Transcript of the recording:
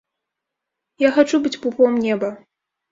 Я хачу быць пупом неба.